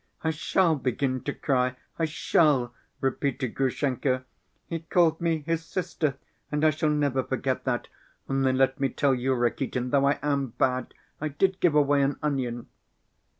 "I shall begin to cry, I shall," repeated Grushenka. "He called me his sister and I shall never forget that. Only let me tell you, Rakitin, though I am bad, I did give away an onion."